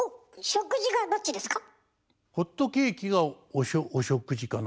食事がどっちですか？